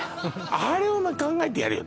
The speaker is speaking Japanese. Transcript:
あれお前考えてやれよ